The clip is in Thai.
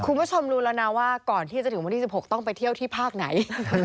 คุณผู้ชมรู้แล้วนะว่าก่อนที่จะถึงวันที่๑๖ต้องไปเที่ยวที่ภาคไหน